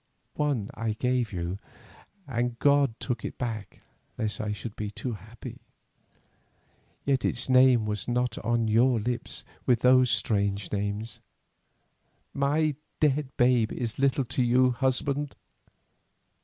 One I gave you, and God took it back lest I should be too happy; yet its name was not on your lips with those strange names. My dead babe is little to you, husband!"